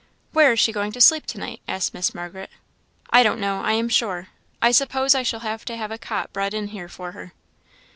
"Where is she going to sleep to night?" asked Miss Margaret. "I don't know, I am sure I suppose I shall have to have a cot brought in here for her."